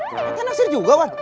bukan nasir juga wan